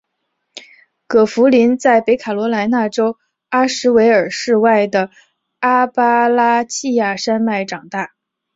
葛福临在北卡罗来纳州阿什维尔市外的阿巴拉契亚山脉长大。